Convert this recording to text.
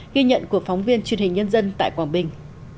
ghi nhận của phóng viên truyền hình nhân dân tại quảng bình